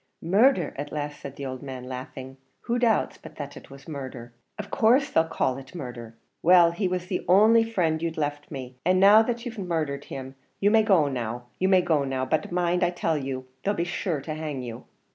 "Murdher," at last said the old man, laughing; "who doubts but that it was murdher? in course they'll call it murdher. Well, he was the only frind you'd left me, and now that you've murdhered him, you may go now; you may go now but mind I tell you, they'll be sure to hang you."